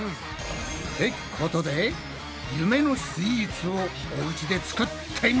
ってことで夢のスイーツをおうちで作ってみよう！